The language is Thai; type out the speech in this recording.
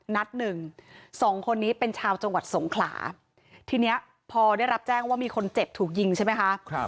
นัดหนึ่งสองคนนี้เป็นชาวจังหวัดสงขลาทีนี้พอได้รับแจ้งว่ามีคนเจ็บถูกยิงใช่ไหมคะ